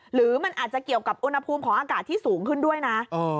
หรือมันอาจจะเกี่ยวกับอุณหภูมิของอากาศที่สูงขึ้นด้วยนะ